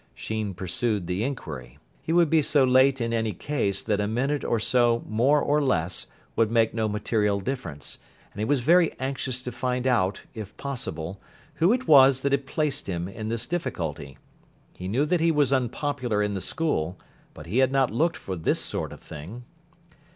Sheen pursued the inquiry. He would be so late in any case that a minute or so more or less would make no material difference; and he was very anxious to find out, if possible, who it was that had placed him in this difficulty. He knew that he was unpopular in the school, but he had not looked for this sort of thing.